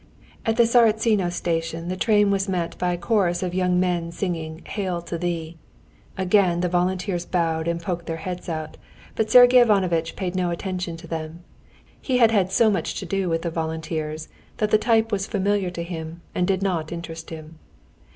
At Tsaritsino station the train was met by a chorus of young men singing "Hail to Thee!" Again the volunteers bowed and poked their heads out, but Sergey Ivanovitch paid no attention to them. He had had so much to do with the volunteers that the type was familiar to him and did not interest him.